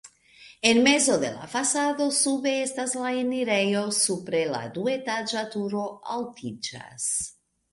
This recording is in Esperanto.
En mezo de la fasado sube estas la enirejo, supre la duetaĝa turo altiĝas.